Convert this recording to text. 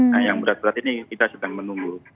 nah yang berat berat ini kita sedang menunggu